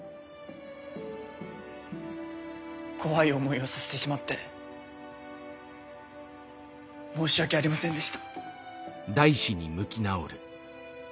怖い思いをさせてしまって申し訳ありませんでした。